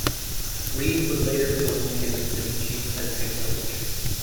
Reid would later join the Kansas City Chiefs as head coach.